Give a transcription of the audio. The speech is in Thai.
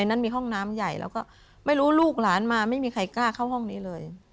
นั้นมีห้องน้ำใหญ่แล้วก็ไม่รู้ลูกหลานมาไม่มีใครกล้าเข้าห้องนี้เลย